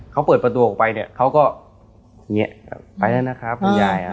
เขาเปิดประตูออกไปเนี่ยเขาก็แงะไปแล้วนะครับคุณยาย